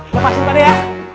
lepasin pane ya